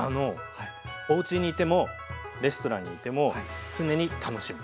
おうちにいてもレストランにいても常に楽しむ。